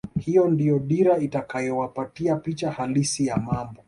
Hii ndio dira itakayowapatia picha halisi ya mambo